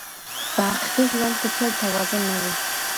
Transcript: په حقیقي ژوند کي تل توازن نه وي.